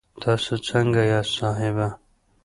تاسو سنګه یاست صاحبه